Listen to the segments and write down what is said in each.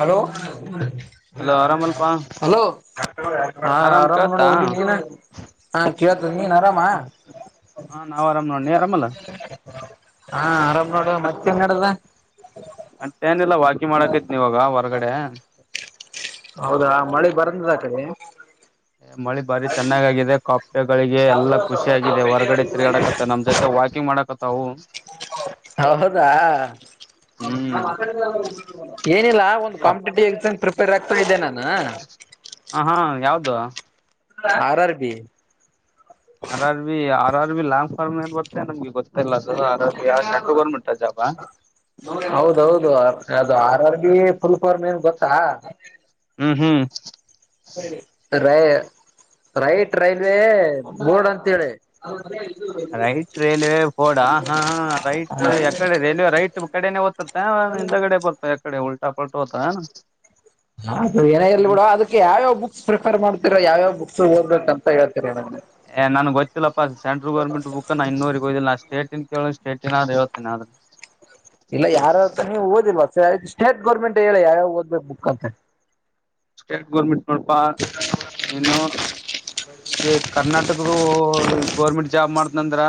Hello hello ಆರಾಮಲ್ಪಾ hello ಹಾ ಆರಾಮ್ ನೋಡ ಹೋಗೋಗಿದ್ದಿನ ಹ ಕೇಳತ ನೀನ್ ಆರಾಮ ಹಾ ನಾವ್ ಆರಾಮ್ ನೋಡಿ ಆರಾಮಲ್ಲ ಹಾ ಆರಾಮ್ ನೋಡುವ ಮತ್ತೆನ್ ಮಾಡದ ಮತ್ತೇಏನಿಲ್ಲ ವಾಕಿ ಮಾಡಕೈತ್ ನೀವಾಗ ಹೊರಗಡೆ ಹೌದಾ ಮಳೆ ಬರಂದದಾಕಡೆ ಮಳಿ ಬಾರಿ ಚೆನ್ನಾಗ್ಗಿದೆ ಕಾಫೆಗಳಿಗೆ ಎಲ್ಲಾ ಖುಷಿ ಆಗಾಗಿದೆ ಹೊರಗಡೆ ತಿರ್ಗಾಡಕತ್ತ ನಮ್ ಜೊತೆ ವಾಕಿಂಗ್ ಮಾಡಕತ್ತಾವು ಹೌದಾ ಹ್ಮ್ ಏನಿಲ್ಲ ಒಂದು ಕಾಪ್ ಕಾಂಪಿಟೇಟಿವ್ ಎಕ್ಸಾಮ್ ಪ್ರಿಪೇರ್ ಆಗ್ತಾ ಇದ್ದೆ ನಾನು ಹ ಹಾ ಯಾವ್ದ ಆರ ಆರ್ ಬಿ ಲಾ ಫರ್ ನ್ ಬತ್ತ ನಮಗೆ ಗೊ ಜಾಬಾ ಹೌದೌದು ಆರ ಅ ಫುಲ್ಫಾರ್ಮ್ ಏನ್ ಗೊತ್ತಾ ಹ್ಮ್ ಸರಿ ರೈ ರೈಟ್ ರೈಲ್ವೆ ಬೋರ್ಡ್ ಅಂತೇಳಿ ರೈಟ್ ರೇಲ್ವೆ ಬೋರ್ಡ್ ಹಾ ರೈಟ್ ಯಕಡೆ ರೇಲ್ವೆ ರೈಟ್ ಕಡೆನೆ [unintelligible] ಬರ್ತ ಕಡೆ ಉಲ್ಟಾ ಪಲ್ಟ ಹೊತಾ ಅದು ಏನಾ ಇರ್ಲಿ ಬಿಡ ಅದಕ್ಕೆ ಯಾವ್ಯಾವ ಬುಕ್ಸ್ ರೆಫರ್ ಮಾಡ್ತಿರಾ ಯಾವ್ಯಾವ ಬಕ್ಸ್ ಓದಬೇಕ ಅಂತ ಹೇಳೇ ಹಾ ನನ್ ಗೊತ್ತಿಲ್ಲಾ ಸೆಂಟ್ರಲ್ ಗೌರ್ಮೆಂಟ್ ಬುಕ್ ನಾ ಇನ್ನೂವರಿಗೆ ಓದಿಲ್ಲ ಸ್ಟೇಟನ್ ಕೇಳ ಸ್ಟೇಟಿನ ಆದ್ರ ಹೇಳ್ತೇನೆ ಆದ್ರೆ ಇಲ್ಲ ಯಾರತ್ರ ನೀವು ಓದಿಲ್ಲ ಸ್ಟೇಟ್ ಗೌರ್ಮೆಂಟ್ ಹೇಳಿ ಯಾವ್ಯಾವ ಓದ್ಬೇಕು ಬುಕ್ ಅಂತ ಸ್ಟೇಟ್ ಗೋರ್ಮೆಂಟ್ ನೋಡಪಾ ನೀನು ಕರ್ನಾಟಕದ ಗೌರ್ಮೆಂಟ್ ಜಾಬ್ ಮಾಡ್ದನಂದ್ರ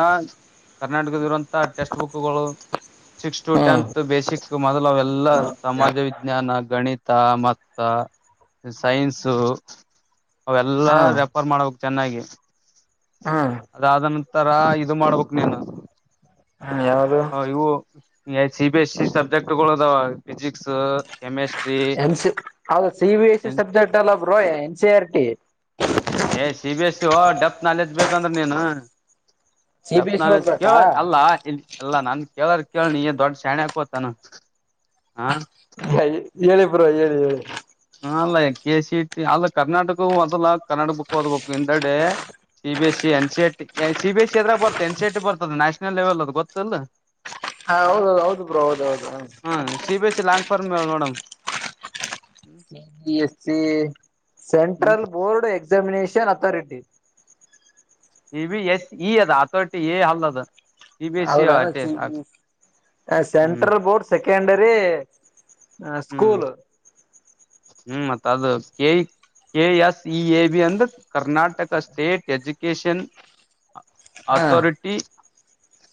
ಕರ್ನಾಟಕದ ಇರುವಂತ ಟೆಕ್ಸ್ಟ್ ಬುಕ್ಗಳು ಸಿಕ್ಸ್ ಟು ಟೆಂತ್ ಬೇಸಿಕ್ ಮೊದಲ ಅವೆಲ್ಲ ಸಮಾಜ ವಿಜ್ಞಾನ ಗಣಿತ ಮತ್ತ ಮತ್ತ ಸೈನ್ಸ ಅವೆಲ್ಲಾ ಹಾ ರೆಫರ್ ಮಾಡ ಚೆನ್ನಾಗಿ [inaudible] ಹಾ ಅದಾದ ನಂತರ ಇದು ಮಾಡ್ಬೇಕ್ ನೀನು ಹ್ಮ ಯಾವ್ದು ಹಾ ಇವು C B S C subject ಗಳದಾವ ಫಿಸಿಕ್ಸ್ ಕೆಮಿಸ್ಟ್ರಿ ಎನ್ ಸಿ ಹೌದು ಸಿ ಸಬ್ಜೆಕ್ಟ್ ಅಲ್ಲ ಬ್ರೋ ಎನ್ ಸಿ ಆರ್ಟಿ ಹೇ C B S C depth knowledge ಬೇಕಂದ್ರೆ ನೀನು ಸಿ ಬಿ ಎಸ್ ಸಿ ಓದ್ಬೇಕಾ ಕೇಳ ಅಲ್ಲಾ ಎಲ್ಲಾ ನನ್ ಕೇಳರ್ ಕೇಳಿ ದೊಡ್ದ್ ಶಾಣೆ ಅಕೋತಾನ [inaudible] ಹಾ ಹೇಳಿ ಬ್ರೋ ಹೇಳಿ ಹೇಳಿ ಅಲ್ಲ ಕೆ ಸಿ ಟಿ ಅಲ್ಲ ಕರ್ನಾಟಕ ಓದಲ್ಲ ಕನ್ನಡ ಬುಕ್ ಓದ್ಬೇಕು ಹಿಂದೆಡೆ C B S C N C C B S C ಬರ್ತ ಎನ್ ಸಿ ಟಿ ಬರ್ತದ ನ್ಯಾಷನಲ್ ಲೆವೆಲ್ ಅದು ಗೊತ್ತಲ್ಲ ಹಾ [inaudible] ಹೌದೌದು ಹೌದು ಬ್ರೋ ಹೌದೌದು ಹ್ಮ್ C B S C [unintelligible] C B S C ಹ್ಮ central board examination authority C B S C ಈ ಅದ ಅಥೋರಿಟಿ ಎ ಅಲ್ ಅದು ಹೌದೇನ [inaudible] ಹ್ಮ್ ಸೆಂಟ್ರಲ್ ಬೋರ್ಡ್ ಸೆಕೆಂಡರಿ [inaudible] ಹ್ಮ್ ಸ್ಕೂಲ್ ಹ್ಮ್ ಮತ್ತ ಅದು K S E A B ಅಂದ್ರೆ ಕರ್ನಾಟಕ ಸ್ಟೇಟ್ ಎಜುಕಷನ್ ಹಾ ಅಥೋರಿಟಿ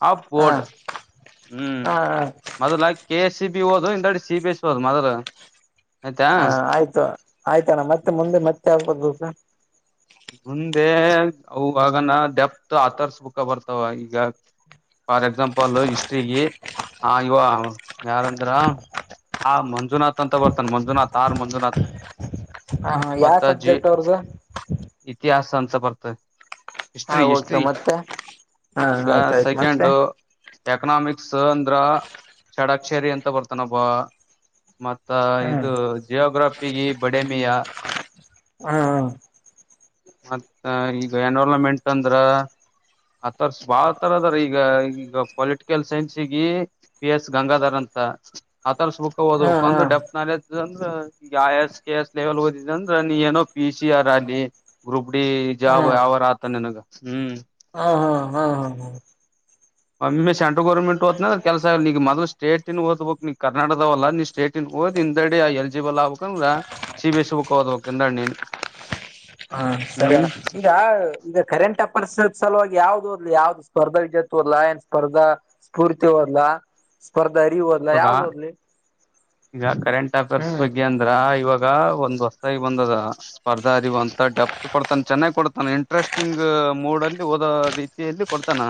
ಆಫ ಹಾ ಬೋರ್ಡ್ [inaudible] ಹ್ಮ್ ಹಾ ಹ ಮೊದಲಾಗಿ ಕೆ ಎಸ್ ಸಿ ಬಿ ಓದು ಇಂದಡಿ ಸಿ ಬಿ ಎಸ್ ಓದು ಮೊದಲು ಹಾ ಆಯ್ತು ಆಯ್ತಣ್ಣ ಮತ್ತೆ ಮುಂದೆ ಮತ್ತೆ ಯಾವದು ಮುಂದೆ ಅವಾಗನ ಡೆಪ್ತ್ ಆತರ್ಸ್ ಬುಕ್ಸ್ ಬರ್ತಾವ ಈಗ ಫಾರ್ ಎಕ್ಸಾಂಪಲ್ ಹಿಸ್ಟ್ರಿಗೆ ಆ ಇವ ಯಾರಂದ್ರ ಆ ಮಂಜುನಾಥ್ ಅಂತ ಬರ್ತಾನ ಮಂಜುನಾಥ್ ಆರ್ ಮಂಜುನಾಥ್ ಹಾ ಹಾ ಯಾವ ಮತ್ತ ಜಿ ಸಬ್ಜೆಕ್ಟ್ ಅವ್ರದು ಇತಿಹಾಸ ಅಂತ [unintelligible] ಹಾ ಹಿಸ್ಟ್ರಿ ಓಕೆ ಹಿಸ್ಟ್ರಿ ಮತ್ತೆ ಹಾ [inaudible] ಈಗ ಆಯ್ತಾಯ್ತು ಸೆಕೆಂಡ್ ಮತ್ತೆ ಎಕನಾಮಿಕ್ಸ್ ಅಂದ್ರ ಷಡಾಕ್ಷೇರಿ ಅಂತ ಬರ್ತನಪ್ಪಾ ಮತ್ತ ಹ್ಮ್ ಇದು ಜಿಯೋಗ್ರಫಿಗ ಬಡಮಿಯಾ ಹಾ ಹಾ ಮತ್ತ ಈಗ ಎನ್ವರಮೆಂಟ್ ಅಂದ್ರ ಆತರ್ಸ್ ಬಾಳ್ತರ ಅದಾರ ಈಗ ಈಗ ಪೊಲಿಟಿಕಲ್ ಸೈನ್ಸ್ಗಿ ಪಿ ಎಸ್ ಗಂಗಾಧರ್ ಅಂತ ಆತರ್ಸ್ ಬುಕ್ ಹಾ ಓದಬೇಕು ಹಾ ಒಂದ ಡೆಫತ್ ನಾಲೆಜ್ ಅಂದ್ರ ಈಗ I S K S level ಓದಿದ್ರೆ ನೀ ಏನೋ ಪಿ ಸಿ ಆರ್ ಅಲ್ಲಿ ಗ್ರೂಪ್ ಡಿ ಹಾ ಹಾ ಜಾಬ್ ಯಾವಾರ ಆತ ನನ್ಗ ಹ್ಮ್ ಹಾ ಹಾ ಹಾ ಹಾ ಒಮ್ಮೆ ಸೆಂಟರ್ ಗೌರ್ಮೆಂಟ್ ಹೋತೀನಿ ಅಂದ್ರೆ ಕೆಲಸ ಈಗ ಮೊದ್ಲ ಸ್ಟೇಟಿನ ಓದ್ಬೇಕ್ ನೀ ಕರ್ಟಕದವಲ್ಲ ನೀ ಸ್ಟೇಟಿ ಓದ್ ಹಿಂದಡಿ ಎಲ್ಜಿಬಲ್ ಆಗ್ಬೇಕ ಅಂದ್ರ ಸಿ ಬಿ ಸಿ ಬುಕ್ ಹೋದ್ಬೇಕ್ ನೀನೆ ಹಾ ಸರಿ ಅಣ್ಣ ಈಗ ಈಗ ಕರೆಂಟ್ ಅಪ [unintelligible] ಸಲುವಾಗಿ ಯಾವ್ ಯಾವ್ದು ಸ್ಪರ್ಧಾ [unintelligible] ಸ್ಪರ್ಧಾ ಸ್ಫೂರ್ತಿ ಹೋದ್ಲಾ ಸ್ಪ [unintelligible] ಇವಾಗ ಯಾವ್ದ್ ಹೋದ್ಲಿ ಈಗ ಕರೆಂಟ್ ಅಫೇರ್ಸ್ ಬಗ್ಗೆ ಅಂದ್ರ ಇವಾ ಗ ಒಂದ್ ಹೊಸ್ದಾಗ್ ಬಂದದ ಸ್ಪರ್ಧಾ ಅರಿವು ಅಂತ ಡೆಪ್ತ್ ಕೊಡ್ತಾನ ಚೆನ್ನಾಗ್ ಕೊಡ್ತಾನ ಇಂಟ್ರೆಸ್ಟಿಂಗ್ ಮೂಡಲ್ಲಿ ಓದೋ ರೀತಿಯಲ್ಲಿ ಕೊಡ್ತಾನ.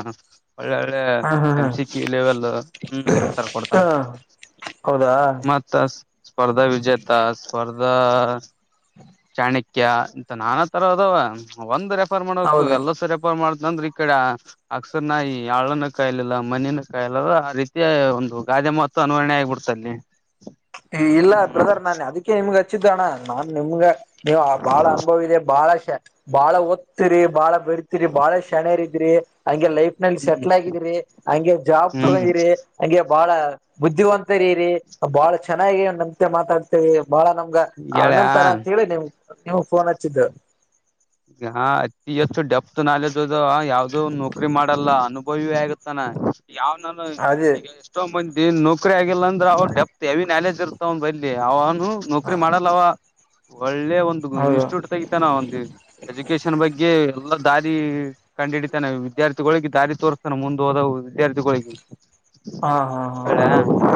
ಒಳ್ಳೆ ಒಳ್ಳೆ ಹಾ ಹಾ ಹಾ [unintelligible] ಲೆವೆಲ್ ಹ್ಮ ಆತರ. ಹಾ ಹೌದಾ [unintelligible] ಸ್ಪರ್ಧಾ ವಿಜೇತ ಸ್ಪರ್ಧಾ ಚಾಣಕ್ಯ ಅಂತ ನಾನಾತರ ಅದವ ಒಂದ್ ರೆಫರ್ ಮಾಡಕು ಹೌದು ಎಲ್ಲಸ ರೆಫರ್ ಮಾಡ [unintelligible] ಈಕಡ ಅಕ್ಸರ್ ನಾಯಿ ಈ ಆಳುನ್ನು ಕಾಯಿಲಿಲ್ಲ ಮನಿನು ಕಾಯ್ಲಿಲ್ಲ ಆ ರೀತಿ ಒಂದು ಗ ದ ಮತ್ತ ಅನವರಣೆ ಆಗಿ ಬಿಡ್ತತಿ. ಎ ಇಲ್ಲ ಬ್ರದರ್ ನಾನ್ ಅದಕ್ಕೆ ನಿಮ್ಗ ಚಿತ್ರಣ ನಾನ್ ನಿಮ್ಗ ನೀ ಬಾಳ ಅನುಭವ ಇದೆ ಬಾಳ ಬಾಳ ಒತ್ತಿರಿ ಬಾಳ. ಇರ್ತೀರಿ ಬಾಳ ಶಣೇರಿದ್ರಿ. ಹಂಗೆ ಲೈಫ್ ನಲ್ಲಿ ಹ್ಮ್ ಸೆಟ್ಲ್ ಆಗಿದಿರಿ ಹಂಗೆ ಜಾಬ್ ಹ್ಮ್ ತಗೊಂಡಿರಿ ಹಂಗೆ. ಬಹಳ ಬುದ್ಧಿವಂತರಿರಿ ಬಳಾ ಚೆನ್ನಾಗಿ [unintelligible] ಬಹಳ ನಮ್ಗ ಗೆಳೆಯಾ ಅಣ್ಣನ್ತರ ಅಂತ ಹೇಳಿ ನಿಮ್ ನಿಮಗ್ ಫೋನ್ ಹಚ್ಚಿದ್ - [unintelligible] ಅತಿ ಹೆಚ್ಚು ಡೆಪ್ತ್ ನಾಲೆಜ್ ಅದು ಯಾವ್ದು ನೌಕ್ರಿ ಮಾಡಲ್ಲ ಅನುಭವೇ ಆಗತ್ತಾನ. ಯಾವ್ ನಾನು ಅದೇ ಈಗ ಎಷ್ಟೋ ಬಂ [unintelligible] ಇನ್ ನೌಕ್ರರಿ ಆಗಿಲ್ಲ ಅಂದ್ರ ಅವ ಡಪ್ತ್ ಹೆವಿ ನಾಲೇಜ್ ಇರುತ ಅವ ಬಲಿ ಅವನು ನೌಕ್ರರಿ ಮಾಡಲ್ಲವ. ಒಳ್ಳೆ ಒಂದು ಹೌದು ಇನ್ಸ್ಟಿಟ್ಯೂಟ್ ತೆಗಿತೇನಾ ಒಂದು ಎಜುಕೇಶನ್ ಬಗ್ಗೆ. ಎಲ್ಲ ದಾರಿ ಕಂಡ್ ಹಿಡಿತಾನೆ ವಿದ್ಯಾರ್ಥಿಗಳಿಗೆ ದಾರಿ ತೋರ್ಸ್ತಾನ ಮುಂದೆ ಹೋದ ವಿದ್ಯಾರ್ಥಿಗುಳ್ಗೆ. ಹಾ ಹಾ ಹಾ ಅಣ್ಣ ಹೌದೌದು ಹೌದು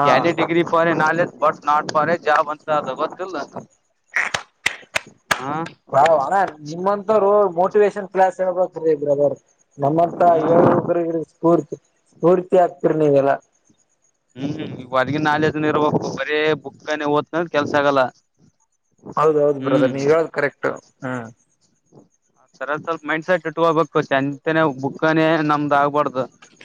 ಹಾ [unintelligible] degree knowledge but not for a job ಅಂತ ಅದು ಗೊತ್ತಿಲ್ಲ. ಹು ಬಾ ಅಣ ನಿಮ್ಮಂತರೋ ಮೋಟಿವೇೇಶನ್ ಕ್ಲಾಸ್ ಹೇಳ್ಬೇಕೀ ಬ್ರದರ್. ನಮ್ಮಂತ ಯುವ ಹ್ಮ್ ಯುವಕ್ರಿಗ್ ಸ್ಫೂರ್ತಿ ಸ್ಫೂರ್ತಿ ಆಗ್ತಿರ್ ನೀವೆಲ್ಲಾ. ಹ್ಮ್ ಈ ಹೊರ್ಗಿನ್ ನಾಲೇಜ ಇರ್ಬೇಕು ಬರೇ ಬುಕ್ನೆ ಓದ್ನ ಕೆಲ್ಸ ಆಗಲ್ಲ. ಹೌದೌದು ಬ್ರದರ್ ಹ್ಮ್ ನೀವ್ ಹೇಳದ್ ಕರೆಕ್ಟ್ ಹ್ಮ್. ಸರ ಸ್ವಲ್ಪ ಮೈಂಡ್ ಸೆಟ್ ಇಟ್ಕೋಬೇಕು ಸಂತನೆ ಬುಕ್ಕನೇ ನಮ್ದ್ ಆಗ್ಬಾರ್ದು.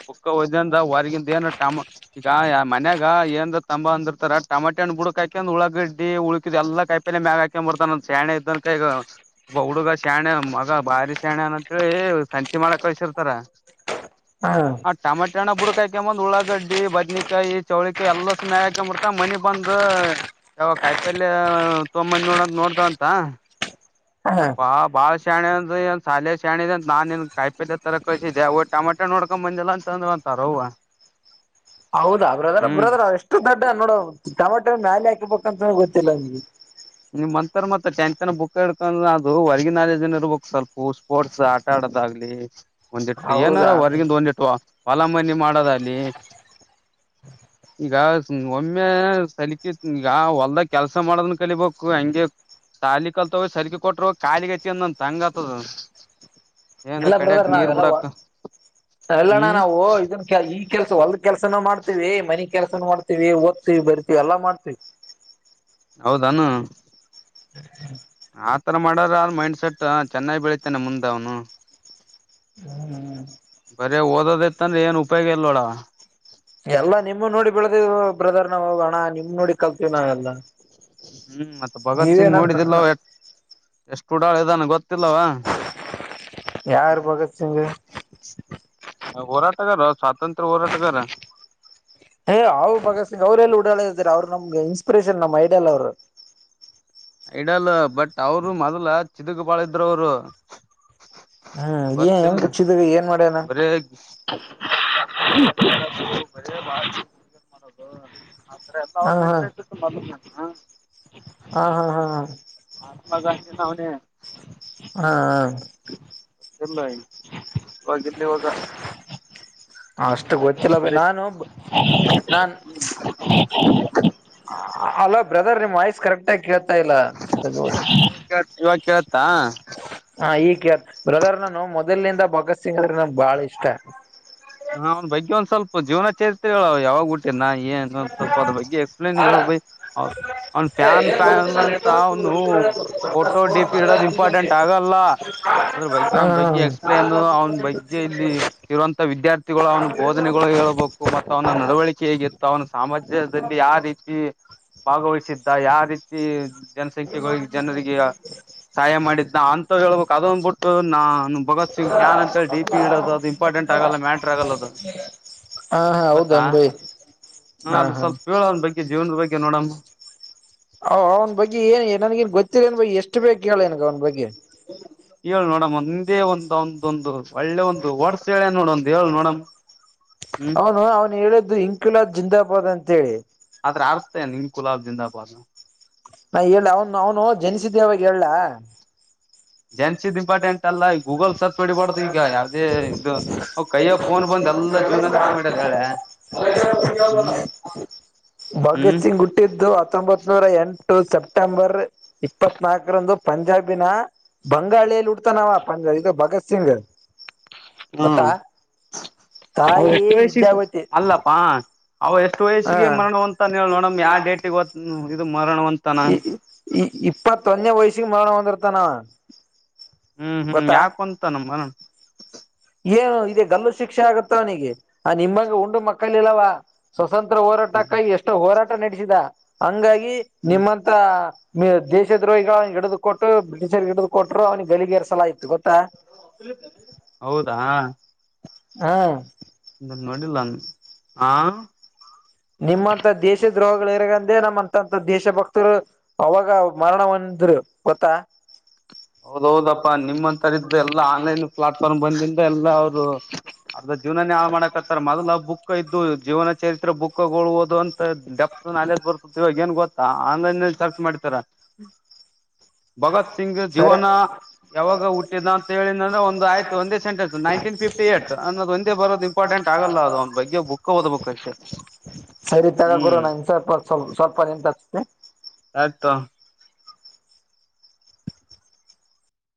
ಬುಕ್ಕ ಹೊದಿಂದ ಹೊರ್ಗಿಂದ ಏನ್ ಟಮ ಈಗ ಮನ್ಯಾಗ ಏನ್ರ ತಾಂಬ ಅಂದಿರ್ತಾರ ಟಮಾಟೆ ಹಣ್ ಬುಡ್ಕ ಹಾಕ್ಯಾಕೊಂಡ್ ಉಳಾಗಡ್ಡಿ ಉಳ್ಕಿದ್ ಎಲ್ಲ ಕಾಯಿ ಮಾಗ ಹಾಕ್ ಬರ್ತಾನ ಸೇಣ ಇದ್ದನ್ ಕೈಗ ಹುಡುಗ. ಶಾಣೆ ಮಗ ಬಾರಿ ಶ್ಯಾಣೆನ ಅಂತೇಳಿ ಸಂತಿ ಮಾಡಕ್ ಕಳ್ಸಿರ್ತಾರ. ಹ ಹಾ ಟಮಾಟೆಹಣ ಬುಡಕಾಯ್ - [unintelligible] ಉಳ್ಳಳಾಗಡ್ಡಿ ಬದ್ನಕಾಯಿ ಚೌಳಿಕಾಯಿ ಎಲ್ಲ ಸುಮ್ಮಯ [unintelligible] ಮನಿ ಬಂದ ಯಾವಾ [unintelligible] ತೊಮೊಬಂದ್ ನೋಡದ ನೋಡ್ದೊಅಂದ ಹ [unintelligible] ಶಣೆ ಅಂದ ಸಾಲ ಶಾಣೆ ಅ ನಾನೇನ್ ಕಾಯಿ ತರ ಕಳಸಿದ್ದೆ ಟಮಟ ನೋಡ್ಕೊಂಡ್ ಬಂದಿಲ್ಲ ಅ ಸರೋವ. ಹೌದಾ ಬ್ರದರ್ ಬ್ರದರ್ ಎಷ್ಟು ದೊಡ್ಡ ನೋಡ ಟಮಾಟೆ ಮ್ಯಾಲ ಹಾ [unintelligible] ಗೊತ್ತಿಲ್ಲ ನಿ ನಿಮ್ ಮಂತರ್ ಮತ್ತೆ ಟೆಂತ್ ಬುಕ್ ಹಿಕೊಂಡ್ರ ಅದು ಹೊರ್ಗಿ ನಾಲೆಜ್ನ್ ಇರ್ಬೇಕು ಸ್ವಲ್ಪ ಸ್ಪೋರ್ಟ್ಸ್ ಆಟ - ಗಲಿ ಒಂದಿಟ್ಟು ಏನಾರ ಹೌದಾ ಹೊರ್ಗಿಂದು ಬಂದಿಟ್ಟು ಹೊಲ ಮನಿ ಮಾಡೋದ್ ಅಗ್ಲಿ. [unintelligible] ಈಗ ಒಮ್ಮೆ [unintelligible] ಈಗ ಹೊಲ್ದಗ್ ಕೆಲ್ಸ ಮಾಡದನ್ ಕಲಿಬೇಕು. ಹಂಗೆ ತಾಲಿ ಕಲ್ತ ಸಲ್ಗಿ ಕೊಟ್ರ ಖಾಲಿ ಗತಿ ಅಂದ ಅಂತ ಹಂಗ ಆತ ಅದ. ಎಲ್ಲ ಬ್ರದರ್ ನಾವೆಲ್ಲ ಎಲ್ಲಣ್ಣ ಹ್ಮ್ ನಾವು ಇದ್ರಕ ಈ ಕೆಲ್ಸ ಹೊಲ್ ಕೆಲ್ಸನ ಮಾಡ್ತೀವಿ ಮನಿ ಕೆಲ್ಸನು ಮಾಡ್ತೀವಿ ಓದ್ತಿವಿ ಬರ್ತೀವಿ ಎಲ್ಲಾ ಮಾಡ್ತೀವಿ ಹೌದಾನ [unintelligible] ಆತರ ಮಾಡದಾದ್ರ ಮೈಂಡ್ ಸೆಟ್ ಚೆನ್ನಾಗಿ ಬೆಳಿತಾನ ಮುಂದ ಅವ್ನು. ಹ್ ಹ್ ಬರೆ ಓದೋದಿತ್ತ ಅಂದ್ರ ಏನ್ ಉಪಯೋಗ ಇಲ್ಲ ನೋಡ್ ಅವಾ. ಏ ಹೌದನ್ನಾ ನಿಮ್ ನೋಡಿ ಕಲ್ತೀವಿ ನಾವೆಲ್ಲ. ಹ್ಮ್ ಮತ್ತ ಭಗತ್ ಸಿಂಗ್ ನೋಡಿದಿಲ್ಲ ಎಷ್ಟು ಉಡಾಳ ಇದಾನ ಗೊತ್ತ ಇಲ್ಲವಾ ಯಾರು ಹ್ಮ. ಭಗತ್ ಸಿಂಗ್ ಏ ಹೋರಾಟಗಾರೊ ಸ್ವಾತಂತ್ರ್ಯ ಹೋರಾಟಗಾರ. ಹ ಅವ್ ಭಗತ್ ಸಿಂಗ್ ಅವರೆಲ್ಲಿ ಉಡಾಳ್ ಇದ್ರ ಅವ್ರು ನಮ್ಗ ಇನ್ಸ್ಪಿರೇಷನ್ ನಮ್ ಐಡಿಯಲ್ ಅವ್ರ. ಐಡಲ್ ಬಟ್ ಅವರು ಮೊದ್ಲ ಚಿದಕ ಬಾಳ ಇದ್ರ ಅವ್ರು. ಹ್ಮ್ ಏ ಹೆಂಗ ಚಿದಗ್ ಏನ ಬರೆ [inaudible] ಅ ಎಲ್ಲ ಹ ಅವ್ರ [inaudible] ಹಾ ಹಾ ಹಾ ಹ. [unintelligible] ಅವ್ನೇ. ಹಾ ಹ ಇಲ್ಲ ಇವಾಗ ಇಲ್ಲ ಇವಾಗ. ಅಷ್ಟ ಗೊತ್ತಿಲ್ಲ ಬಿ ಬರೀ ನಾನು ನಾನ್ [unintelligible] ಅ ಅಲೋ ಬ್ರದರ್ ನಿಮ್ ವಾಯ್ಸ್ ಕರೆಕ್ಟಾಗಿ ಕೇಳ್ತಾ ಇಲ್ಲ. ಕೇಳ್ತಾ. ಹ ಈಗ್ ಕೇಳ್ತ ಬ್ರದರ್ ನಾನು ಮೊದಲನಿಂದ ಭಗತ್ ಸಿಂಗ್ ಅಂದ್ರೆ ನಂಗ್ ಬಾಳ ಇಷ್ಟ. ಹ ಅವ್ ಬಗ್ಗೆ ಒಂದ ಸ್ವಲ್ಪ ಜೀವನ ಚರಿತ್ರೆಗಳು ಯಾವಾಗ್ ಹುಟ್ಟಿನ ಏನ್ ಒಂದ ಸ್ವಲ್ಪ ಅದ ಬಗ್ಗೆ ಎಕ್ಸ್ಪ್ಲೈನ್ ಹೇಳ್ ಭೈ. ಅವ ಅವ್ನ ಫ್ಯಾನ್ ಫ್ಯಾನ್ ಅಂತ ಅವನು ಫೋಟೋ ಡಿ ಪಿ ಇಡೋದ ಇಂಪಾರ್ಟೆಂಟ್ ಆಗಲ್ಲ. ಅದರ್ ಬಗ್ಗೆ ಅವನ ಬಗ್ಗೆ ಹಾ ಎಕ್ಸ್ಪ್ಲೇನ್ ಅವನ ಬಗ್ಗೆ ಇಲ್ಲಿ ಇರುವಂತ ವಿದ್ಯಾರ್ಥಿ ಗೊಳ್ ಅವನ ಬೋಧನೆಗಳು ಹೇಳಬೇಕು ಮತ್ತು ಅವನ ನಡವಳಿಕೆ ಹೇಗೆ ಇತ್ತ ಅವನ ಸಾಮಾಜ್ಯದಲ್ಲಿ ಯಾರೀತಿ ಭಾಗವಹಿಸಿದ್ದ ಯಾವ ರೀತಿ ಜನಸಂಖ್ಯೆಗಳ ಜನರಿಗೆ ಸಹಾಯ ಮಾಡಿದ್ನ ಅಂತವ ಹೇಳ್ಬೇಕ್ ಅದನ್ನಬಿಟ್ಟು ನಾನ್ ಭಗತ್ ಸಿಂಗ್ ಫ್ಯಾನ್ ಅಂತ ಡಿಪಿ ಇಡೋದು ಅದ ಇಂಪಾರ್ಟೆಂಟ್ ಆಗಲ್ಲ ಮ್ಯಾಟರ್ ಆಗಲ್ಲ ಅದು. ಹಾ ಹಾ ಗೊತ್ತಾ ಹೌದನ್ ಭೈ ಹ ಹಾ ಅದು ಹಾ ಸ್ವಲ್ಪ ಹೇಳ್ ಅವ್ನ ಬಗ್ಗೆ ಜೀವನದ ಬಗ್ ನೋಡಮ್. ಅವ ಅವ್ನ ಬಗ್ಗೆ ಏನ್ ನನ್ಗ ಏನ್ ಗೊತ್ತಿಲ್ಲ ಏನ್ ಭೈ ಎಷ್ಟ ಬೇಕ್ ಹೇಳ ನೀ ಅವನ್ ಬಗ್ಗೆ. ಹೇಳ ನೋಡಮ್ ಒಂದೇ ಒಂದ ಒಂದೊಂದು ಒಳ್ಳೆ ಒಂದು ವಡ್ಸ ಹೇಳ್ಯಾನ್ ನೋಡ ಒಂದ ಹೇಳ ನೋಡಮ್. ಹ್ಮ್ ಅವನು ಅವನ ಹೇಳಿದ್ದು ಇಂಕಿಲಾದ್ ಜಿಂದಾಬಾದ್ ಅಂತೇಳಿ. ಅದ್ರ ಅರ್ಥ ಏನ್ ಇಂಕುಲಾಬ್ ಜಿಂದಾಬಾದ್. ನಾ ಹೇಳ ಅವನು ಅವನು ಜನಿಸಿದ್ದೆವಾಗ ಹೇಳ್ಲಾ. ಜನ್ಸಿದ್ ಇಂಪಾರ್ಟೆಂಟ್ ಎಲ್ಲ ಈ ಗೂಗಲ್ ಸರ್ಚ್ ಹೊಡಿಬಾರ್ದ ಈಗ ಯಾವದೇ ಇದು ಅವು ಕೈಯ್ಯಗ್ ಫೋನ್ ಬಂದ ಎಲ್ಲ ಜೀವನನೆ ಹಾಳ್ ಮಾಡದ ಹೇಳ್ಯಾ ಹ್ಮ್. ಹ್ಮ್ ಭಗತ್ ಸಿಂಗ್ ಹುಟ್ಟಿದ್ದು ಹತ್ತೊಂಬತ್ ನೂರ ಎಂಟು ಸೆಪ್ಟ ಸಪ್ಟಂಬರ್ ಇಪ್ಪತ್ನಾಲ್ಕರಂದು ಪಂಜಾಬಿನ ಬಂಗಾಳಿಯಲ್ಲಿ ಹುಟ್ಟತ್ತಾನ ಅವ. [unintelligible] ಇದು ಭಗತ್ ಸಿಂಗ್ ಗೊತ್ತಾ. ಅವರ ತಾಯಿ ಎಷ್ಟ ವಯಸ್ಸಿಗ್ ವಿದ್ಯಾವತಿ ಅಲ್ಲಪ್ಪಾ ಅವ ಎಷ್ಟು ಹ ವಯಸ್ಸಿಗೆ ಮರಣ ಹೊಂತಾನ ಹೇಳ ನೋಡಮ್ ಯಾ ಡೇಟಿಗೆ ಇದು ಮರಣಹೊಂತಾನ. ಇಪ್ಪತ್ತೊನ್ನೇ ವಯಸ್ಸಿಗೆ ಮರಣ ಹೊಂದಿರ್ತಾನ. ಹ್ಮ್ ಹ್ಮ್ ಯಾಕ ಹೊನ್ತಾನ್ ಮರಣ. ನಿಗೆ ಅವ ನಿಮ್ಮಂಗ್ ಉಂಡು ಮಕ್ಕಳಿಲ್ಲವಾ ಸ್ವತಂತ್ರ ಹ್ಮ್ ಹೋರಾಟಕ್ಕಾಯ ಎಷ್ಟು ಹೋರಾಟ ನಡೆಸಿದ ಹಂಗಾಗಿ ಹ್ಮ್ ನಿಮ್ಮಂತ ದೇಶ ದ್ರೋಹಿಗಳಿಗ ಹಿಡಿದು ಕೊಟ್ಟು ಬ್ರಿಟಿಷರ್ ಹಿಡಿದು ಕೊಟ್ಟರು ಅವನಿಗೆ ಗಲಲಿಗೇರಿಸಲಾಯ್ತತ್ತು ಗೊತ್ತಾ ಹಾ ಹಾ ಇದನ್ನ ನೋಡಿಲ್ಲ ನಾನ ಆ ನಿಮ್ಮಂತ ದೇಶ ದ್ರೋಹಗಳು ಇರಗಂದೆ ನಮ್ಮಂತಂತ ದೇಶ ಭಕ್ತರು ಅವಾಗ ಮರಣನ್ನ ರು ಗೊತ್ತಾ ಹೌದೌದಪ್ಪಾ ನಿಮ್ಮಂತರ ಇದ್ದ ಎಲ್ಲಾ ಆನ್ಲೈನ್ ಪ್ಲಾಟ್ಫಾರ್ಮ್ ಬಂದಿಂದ ಎಲ್ಲಾ ಅವರು ಅದ ಜೀವನಾನ ಹಾಳ ಮಾಡಕತ್ತರ ಮೊದಲ ಬುಕ್ ಜೀವನ ಚರಿತ್ ಬುಕ್ಗಳುದು ಅಂತ ಡೆಪ್ತ ನಾಲೆಡ್ಜ್ ಬರ್ತಿತ ಇವಾಗ ಏನು ಗೊತ್ತಾ ಆನ್ಲೈನ್ಲ್ ಮಾಡ್ತಾರ [inaudible] ಭಗತ್ ಸಿಂಗ್ ಸರೆ ಜೀವನ ಯಾವಾಗ ಹುಟ್ಟಿದ ಅಂತ ಹೇಳಿದ ಅಂದ್ರ ಒಂದ ಆಯ್ತು ಒಂದೇ ಸೆಟೆನ್ಸ ನೈನಟೀನ್ ಫಿಫಿಟ ಏಟ್ ಅನ್ನದ ಒಂದೇ ಬರೋ ಇಪ್ಟೆಂಟ್ ಆಗಲ್ಲ ಅದು ಅವನ್ ಬಗ್ಗೆ ಬುಕ್ ಓದ್ಬೇಕ್ ಅಷ್ಟೇ ಸರಿ ತಗ ಗುರು ನನ್ ಸ್ವಲ್ಪ ಸ್ವಲ್ಪ ಸ್ವಲ್ಪ ನಿಂತ ಹಚ್ಚತಿನ ಆಯ್ತು